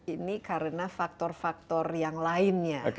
ini karena faktor faktor yang lainnya